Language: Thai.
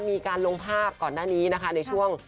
มีการลงภาพก่อนหน้านี้นะคะในช่วง